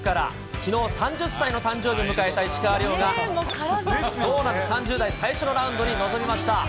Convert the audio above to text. きのう、３０歳の誕生日を迎えた石川遼が、３０代最初のラウンドに臨みました。